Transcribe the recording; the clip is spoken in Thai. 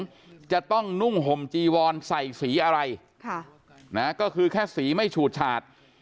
จะต้องนุ่งห่มจีวอนใส่สีอะไรก็คือแค่สีไม่ฉูดฉาด